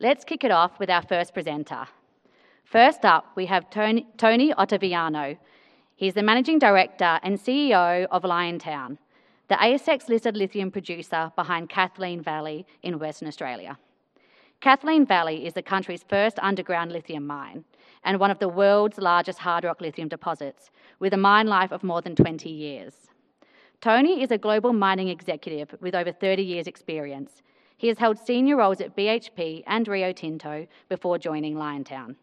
Let's kick it off with our first presenter. First up, we have Tony Ottaviano. He's the Managing Director and CEO of Liontown, the ASX-listed lithium producer behind Kathleen Valley in Western Australia. Kathleen Valley is the country's first underground lithium mine and one of the world's largest hard rock lithium deposits, with a mine life of more than 20 years. Tony is a global mining executive with over 30 years' experience. He has held senior roles at BHP and Rio Tinto before joining Liontown.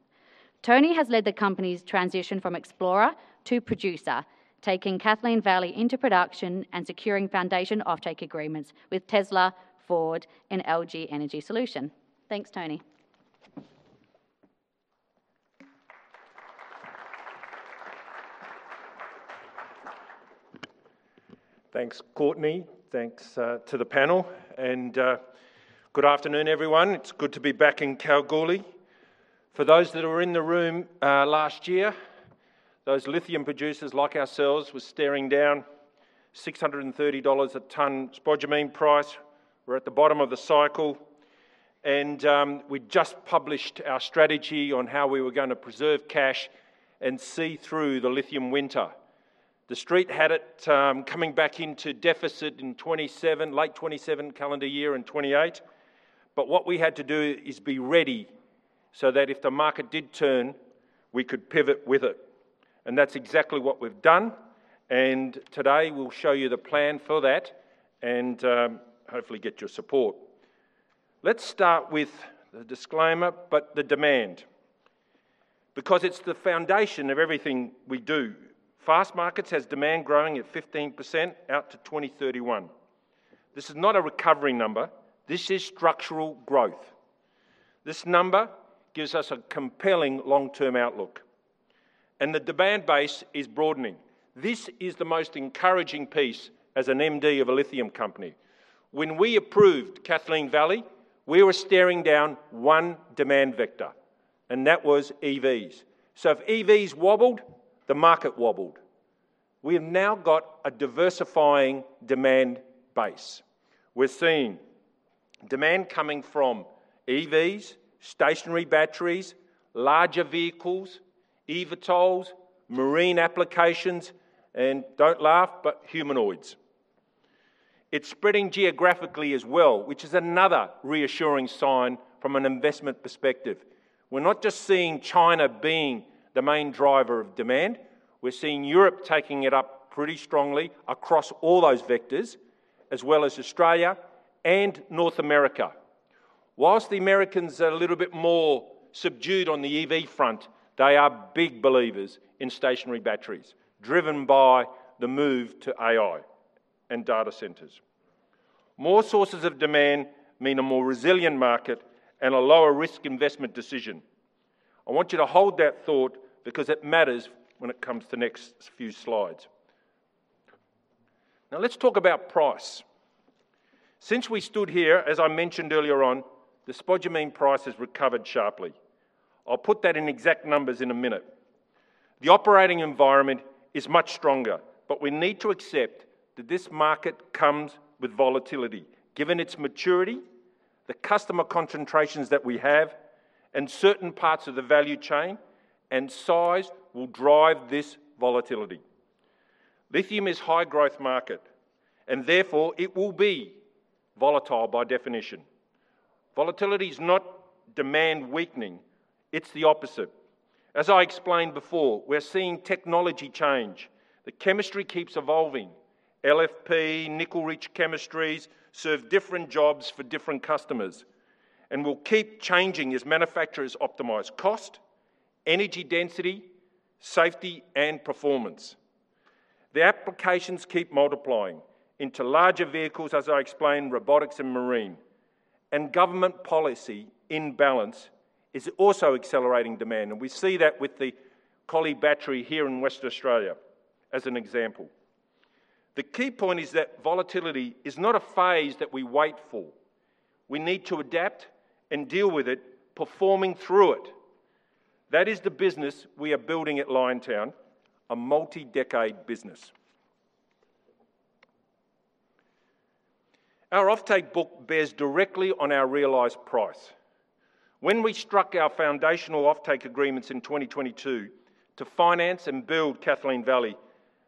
Tony has led the company's transition from explorer to producer, taking Kathleen Valley into production and securing foundation offtake agreements with Tesla, Ford, and LG Energy Solution. Thanks, Tony. Thanks, Courtney. Thanks to the panel, good afternoon, everyone. It's good to be back in Kalgoorlie. For those that were in the room last year, those lithium producers like ourselves were staring down 630 dollars/tonne spodumene price. We're at the bottom of the cycle. We'd just published our strategy on how we were going to preserve cash and see through the lithium winter. The Street had it coming back into deficit in late 2027 calendar year and 2028. What we had to do is be ready so that if the market did turn, we could pivot with it, and that's exactly what we've done. Today, we'll show you the plan for that and hopefully get your support. Let's start with the disclaimer, the demand, because it's the foundation of everything we do. Fastmarkets has demand growing at 15% out to 2031. This is not a recovery number. This is structural growth. This number gives us a compelling long-term outlook, and the demand base is broadening. This is the most encouraging piece as an MD of a lithium company. When we approved Kathleen Valley, we were staring down one demand vector. That was EVs. If EVs wobbled, the market wobbled. We have now got a diversifying demand base. We're seeing demand coming from EVs, stationary batteries, larger vehicles, eVTOLs, marine applications, and don't laugh, but humanoids. It's spreading geographically as well, which is another reassuring sign from an investment perspective. We're not just seeing China being the main driver of demand. We're seeing Europe taking it up pretty strongly across all those vectors, as well as Australia and North America. Whilst the Americans are a little bit more subdued on the EV front, they are big believers in stationary batteries, driven by the move to AI and data centers. More sources of demand mean a more resilient market and a lower-risk investment decision. I want you to hold that thought because it matters when it comes to the next few slides. Now, let's talk about price. Since we stood here, as I mentioned earlier on, the spodumene price has recovered sharply. I'll put that in exact numbers in a minute. The operating environment is much stronger. We need to accept that this market comes with volatility. Given its maturity, the customer concentrations that we have, certain parts of the value chain and size will drive this volatility. Lithium is a high-growth market. Therefore, it will be volatile by definition. Volatility is not demand weakening. It's the opposite. As I explained before, we're seeing technology change. The chemistry keeps evolving. LFP, nickel-rich chemistries serve different jobs for different customers and will keep changing as manufacturers optimize cost, energy density, safety, and performance. The applications keep multiplying into larger vehicles, as I explained, robotics and marine, and government policy in balance is also accelerating demand, and we see that with the Collie Battery here in West Australia as an example. The key point is that volatility is not a phase that we wait for. We need to adapt and deal with it, performing through it. That is the business we are building at Liontown, a multi-decade business. Our offtake book bears directly on our realized price. When we struck our foundational offtake agreements in 2022 to finance and build Kathleen Valley,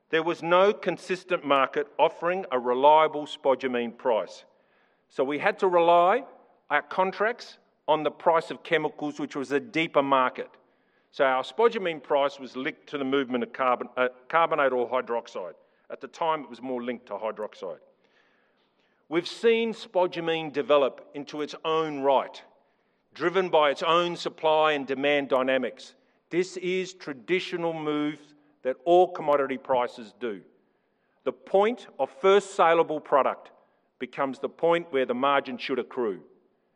there was no consistent market offering a reliable spodumene price. We had to rely our contracts on the price of chemicals, which was a deeper market. Our spodumene price was linked to the movement of carbonate or hydroxide. At the time, it was more linked to hydroxide. We've seen spodumene develop into its own right, driven by its own supply and demand dynamics. This is the traditional move that all commodity prices do. The point of first saleable product becomes the point where the margin should accrue,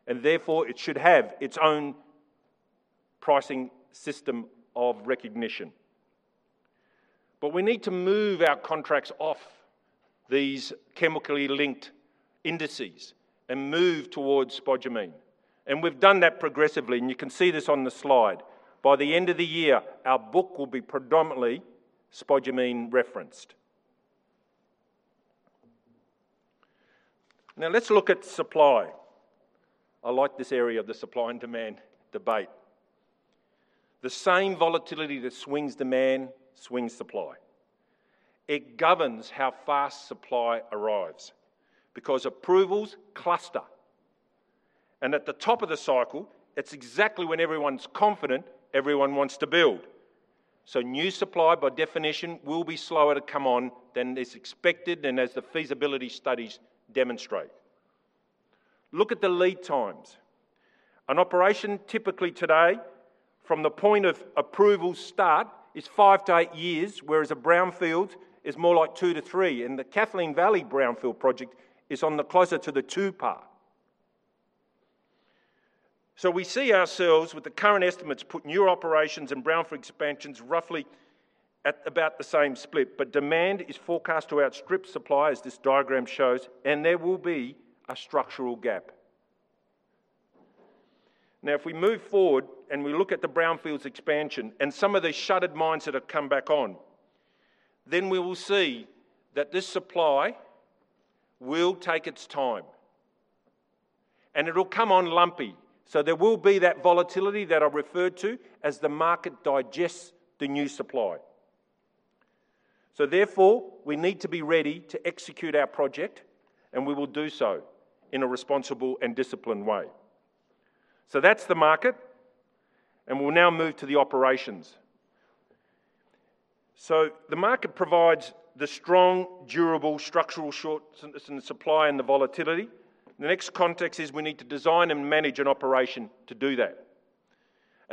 and therefore it should have its own pricing system of recognition. We need to move our contracts off these chemically linked indices and move towards spodumene, and we've done that progressively, and you can see this on the slide. By the end of the year, our book will be predominantly spodumene-referenced. Let's look at supply. I like this area of the supply and demand debate. The same volatility that swings demand, swings supply. It governs how fast supply arrives because approvals cluster, and at the top of the cycle, that's exactly when everyone's confident everyone wants to build. New supply, by definition, will be slower to come on than is expected and as the feasibility studies demonstrate. Look at the lead times. An operation typically today, from the point of approval start, is five to eight years, whereas a brownfield is more like two to three, and the Kathleen Valley brownfield project is on the closer to the two part. We see ourselves with the current estimates put new operations and brownfield expansions roughly at about the same split, but demand is forecast to outstrip supply as this diagram shows, and there will be a structural gap. If we move forward and we look at the brownfields expansion and some of these shuttered mines that have come back on, then we will see that this supply will take its time, and it'll come on lumpy. There will be that volatility that I referred to as the market digests the new supply. Therefore, we need to be ready to execute our project, and we will do so in a responsible and disciplined way. That's the market, and we'll now move to the operations. The market provides the strong, durable structural supply and the volatility. The next context is we need to design and manage an operation to do that.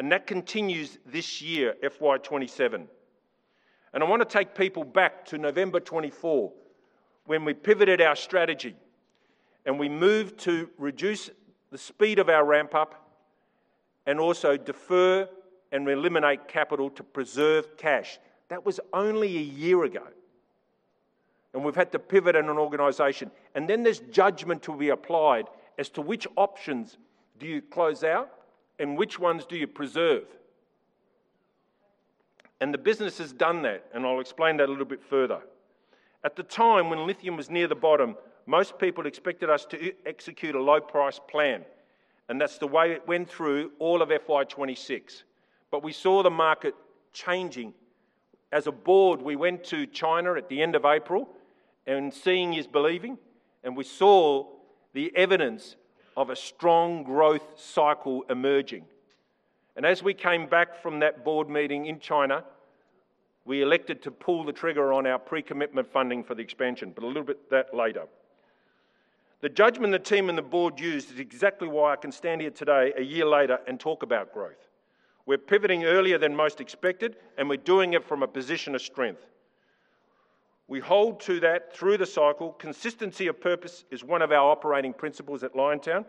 That continues this year, FY 2027. I want to take people back to November 2024, when we pivoted our strategy. We moved to reduce the speed of our ramp up and also defer and eliminate capital to preserve cash. That was only a year ago. We've had to pivot in an organization. There's judgment to be applied as to which options do you close out and which ones do you preserve. The business has done that. I'll explain that a little bit further. At the time when lithium was near the bottom, most people expected us to execute a low-price plan, and that's the way it went through all of FY 2026. We saw the market changing. As a board, we went to China at the end of April. Seeing is believing. We saw the evidence of a strong growth cycle emerging. As we came back from that board meeting in China, we elected to pull the trigger on our pre-commitment funding for the expansion. A little bit that later. The judgment the team and the board used is exactly why I can stand here today, a year later, talk about growth. We're pivoting earlier than most expected. We're doing it from a position of strength. We hold to that through the cycle. Consistency of purpose is one of our operating principles at Liontown.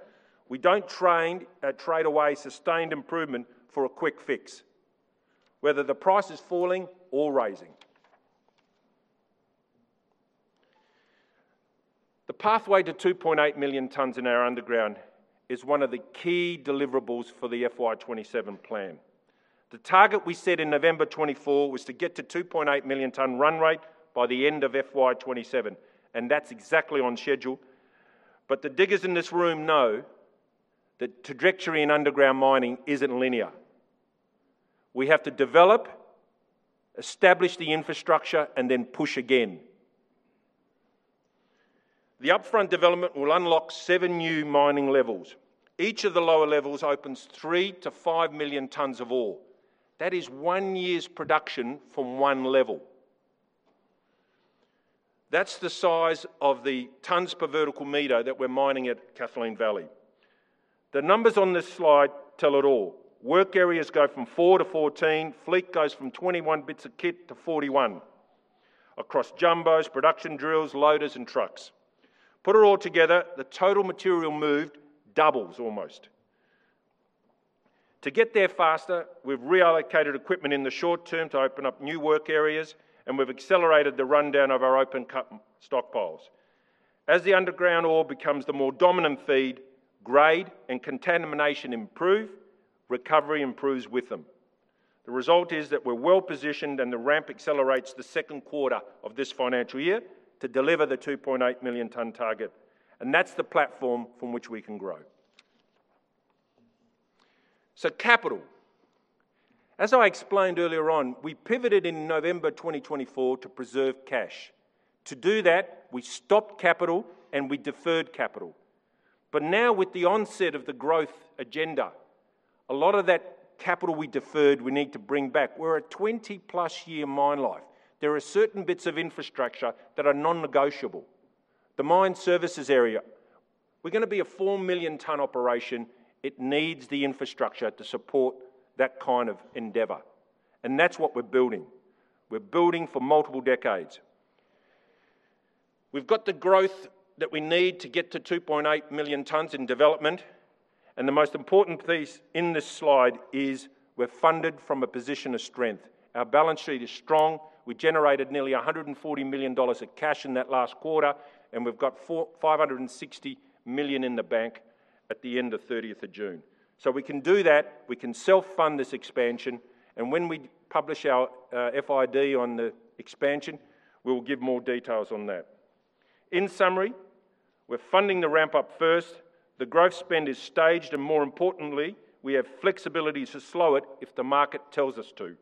We don't trade away sustained improvement for a quick fix, whether the price is falling or rising. The pathway to 2.8 million tonnes in our underground is one of the key deliverables for the FY 2027 plan. The target we set in November 2024 was to get to 2.8 million tonne run rate by the end of FY 2027. That's exactly on schedule. The diggers in this room know the trajectory in underground mining isn't linear. We have to develop, establish the infrastructure, push again. The upfront development will unlock seven new mining levels. Each of the lower levels opens 3-5 million tonnes of ore. That is one year's production from one level. That's the size of the tonnes per vertical meter that we're mining at Kathleen Valley. The numbers on this slide tell it all. Work areas go from four to 14, fleet goes from 21 bits of kit to 41 across jumbos, production drills, loaders, trucks. Put it all together, the total material moved doubles almost. To get there faster, we've reallocated equipment in the short term to open up new work areas. We've accelerated the rundown of our open cut stockpiles. As the underground ore becomes the more dominant feed, grade and contamination improve, recovery improves with them. The result is that we're well-positioned. The ramp accelerates the second quarter of this financial year to deliver the 2.8 million tonne target. That's the platform from which we can grow. Capital. As I explained earlier on, we pivoted in November 2024 to preserve cash. To do that, we stopped capital. We deferred capital. Now with the onset of the growth agenda, a lot of that capital we deferred we need to bring back. We're a 20+ year mine life. There are certain bits of infrastructure that are non-negotiable. The mine services area, we're going to be a 4-million-tonne operation. It needs the infrastructure to support that kind of endeavor. That's what we're building. We're building for multiple decades. We've got the growth that we need to get to 2.8 million tonnes in development. The most important piece in this slide is we're funded from a position of strength. Our balance sheet is strong. We generated nearly 140 million dollars of cash in that last quarter, and we've got 560 million in the bank at the end of 30th of June. We can do that. We can self-fund this expansion. When we publish our FID on the expansion, we will give more details on that. In summary, we're funding the ramp up first. The growth spend is staged, and more importantly, we have flexibility to slow it if the market tells us to.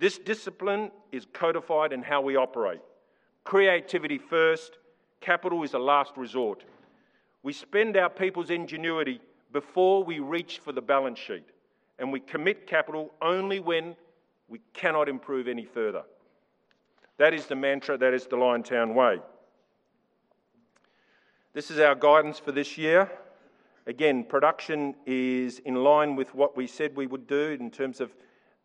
This discipline is codified in how we operate. Creativity first. Capital is a last resort. We spend our people's ingenuity before we reach for the balance sheet, and we commit capital only when we cannot improve any further. That is the mantra. That is the Liontown way. This is our guidance for this year. Again, production is in line with what we said we would do in terms of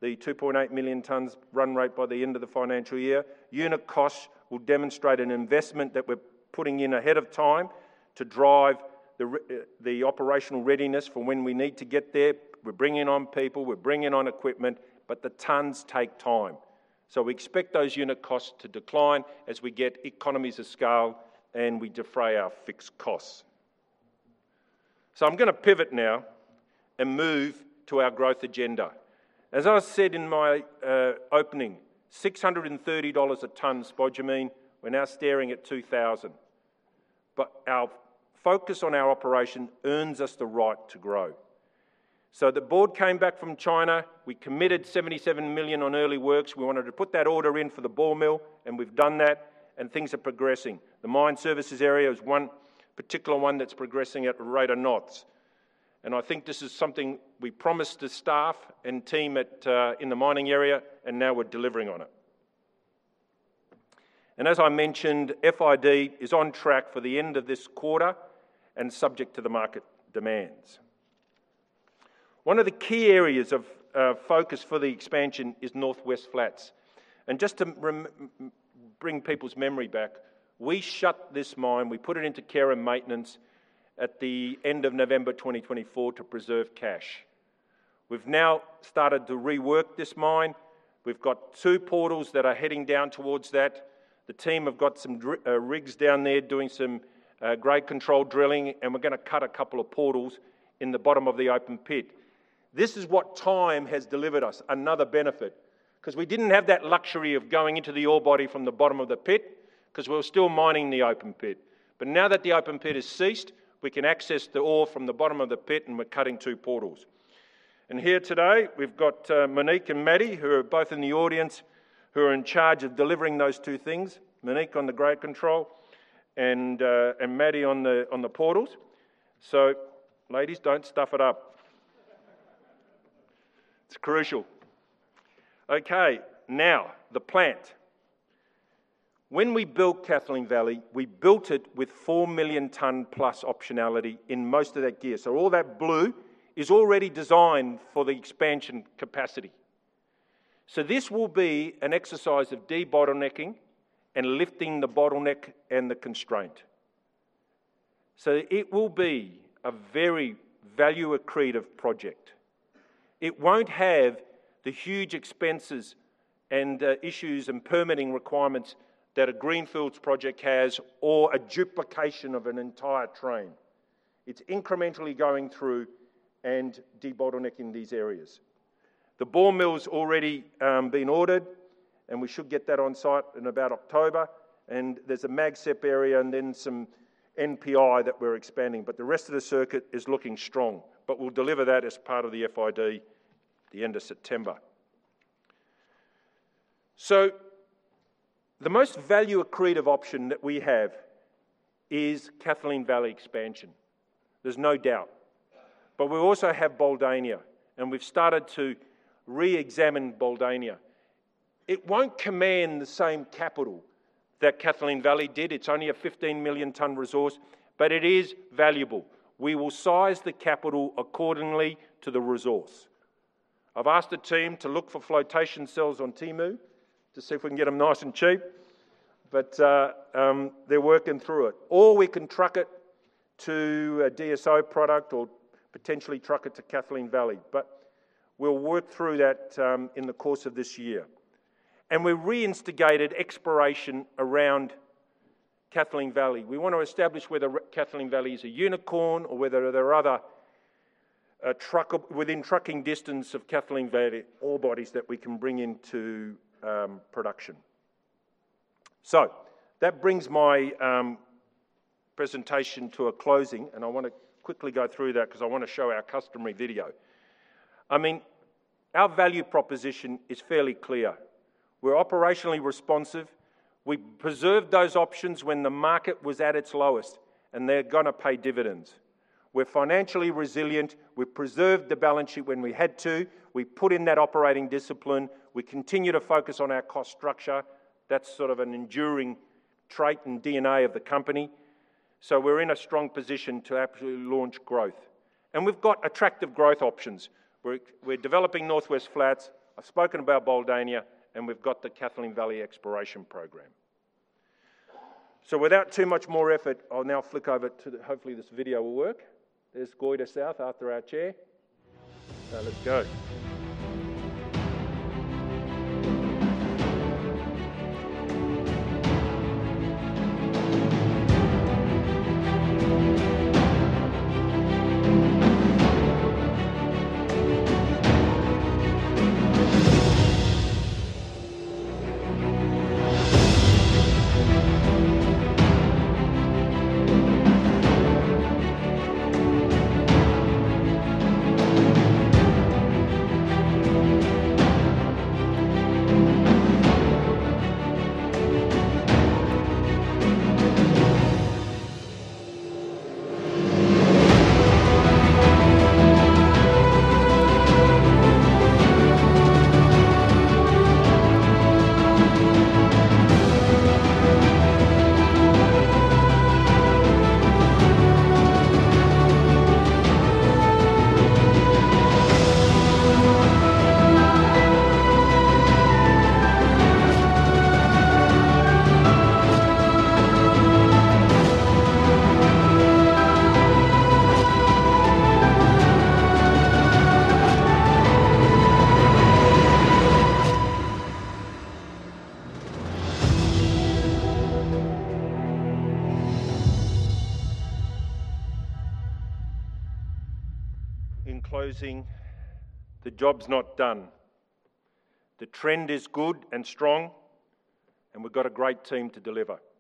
the 2.8 million tonnes run rate by the end of the financial year. Unit costs will demonstrate an investment that we're putting in ahead of time to drive the operational readiness for when we need to get there. We're bringing on people, we're bringing on equipment, but the tonnes take time. We expect those unit costs to decline as we get economies of scale and we defray our fixed costs. I'm going to pivot now and move to our growth agenda. As I said in my opening, 630 dollars/tonne spodumene, we're now staring at 2,000/tonne. Our focus on our operation earns us the right to grow. The board came back from China. We committed 77 million on early works. We wanted to put that order in for the ball mill, and we've done that, and things are progressing. The mine services area is one particular one that's progressing at rate of knots, and I think this is something we promised the staff and team in the mining area, and now we're delivering on it. As I mentioned, FID is on track for the end of this quarter and subject to the market demands. One of the key areas of focus for the expansion is North West Flats. Just to bring people's memory back, we shut this mine. We put it into care and maintenance at the end of November 2024 to preserve cash. We've now started to rework this mine. We've got two portals that are heading down towards that. The team have got some rigs down there doing some grade control drilling, and we're going to cut a couple of portals in the bottom of the open pit. This is what time has delivered us, another benefit, because we didn't have that luxury of going into the ore body from the bottom of the pit because we were still mining the open pit. Now that the open pit has ceased, we can access the ore from the bottom of the pit and we're cutting two portals. Here today we've got Monique and Maddie, who are both in the audience, who are in charge of delivering those two things. Monique on the grade control and Maddie on the portals. Ladies, don't stuff it up. It's crucial. The plant. When we built Kathleen Valley, we built it with 4 million+ tonne optionality in most of that gear. All that blue is already designed for the expansion capacity. This will be an exercise of debottlenecking and lifting the bottleneck and the constraint. It will be a very value-accretive project. It won't have the huge expenses and issues and permitting requirements that a greenfields project has or a duplication of an entire train. It's incrementally going through and debottlenecking these areas. The ball mill has already been ordered and we should get that on site in about October, and there's a mag sep area and then some NPI that we're expanding, but the rest of the circuit is looking strong. We'll deliver that as part of the FID at the end of September. The most value-accretive option that we have is Kathleen Valley expansion. There's no doubt. We also have Buldania, and we've started to reexamine Buldania. It won't command the same capital that Kathleen Valley did. It's only a 15 million tonne resource, but it is valuable. We will size the capital accordingly to the resource. I've asked the team to look for flotation cells on Temu to see if we can get them nice and cheap, but they're working through it. We can truck it to a DSO product or potentially truck it to Kathleen Valley. We'll work through that in the course of this year. We've reinstigated exploration around Kathleen Valley. We want to establish whether Kathleen Valley is a unicorn or whether there are other, within trucking distance of Kathleen Valley, ore bodies that we can bring into production. That brings my presentation to a closing, and I want to quickly go through that because I want to show our customary video. Our value proposition is fairly clear. We're operationally responsive. We preserved those options when the market was at its lowest, and they're going to pay dividends. We're financially resilient. We preserved the balance sheet when we had to. We put in that operating discipline. We continue to focus on our cost structure. That's sort of an enduring trait and DNA of the company. We're in a strong position to absolutely launch growth. We've got attractive growth options. We're developing North West Flats. I've spoken about Buldania, and we've got the Kathleen Valley exploration program. Without too much more effort, I'll now flick over to the hopefully, this video will work. There's Goyder South after our chair. Let's go. In closing, the job's not done. The trend is good and strong, and we've got a great team to deliver. Thank you